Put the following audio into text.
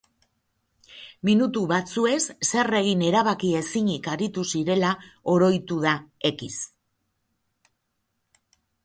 Minutu batzuez, zer egin erabaki ezinik aritu zirela oroitu da X.